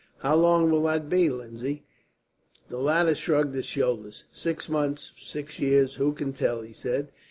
"How long will that be, Lindsay?" The latter shrugged his shoulders. "Six months or six years; who can tell?" he said.